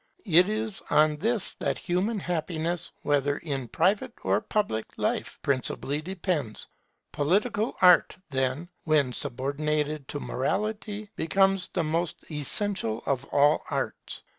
It is on this that human happiness, whether in private or public life, principally depends. Political art, then, when subordinated to morality, becomes the most essential of all arts.